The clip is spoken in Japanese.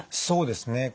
そうですね。